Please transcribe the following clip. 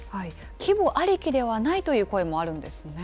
規模ありきではないという声もあるんですね。